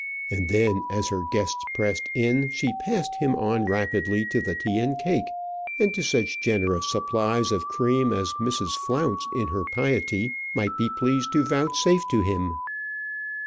And then, as her guests pressed in, she passed him on rapidly to the tea and cake, and to such generous supplies of cream as Mrs. Flounce, in her piety, might be pleased to vouchsafe to him.